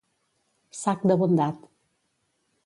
Sac de bondat.